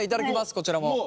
こちらも。